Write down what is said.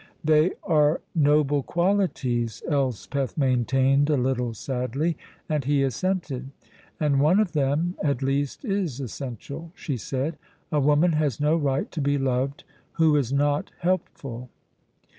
"They are noble qualities," Elspeth maintained a little sadly, and he assented. "And one of them, at least, is essential," she said. "A woman has no right to be loved who is not helpful."